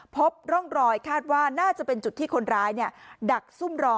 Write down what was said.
พบร่องรอยคาดว่าน่าจะเป็นจุดที่คนร้ายดักซุ่มรอ